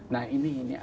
nah ini abis itu